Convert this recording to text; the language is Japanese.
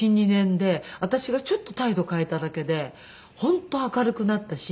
私がちょっと態度を変えただけで本当明るくなったし。